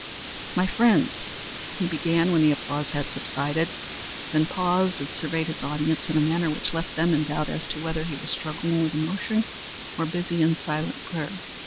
"My friends," he began when the applause had subsided; then paused and surveyed his audience in a manner which left them in doubt as to whether he was struggling with emotion or busy in silent prayer.